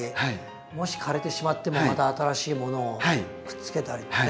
もし枯れてしまってもまた新しいものをくっつけたりね。